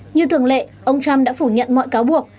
như thường lệ ông trump đã phủ nhận mọi cáo buộc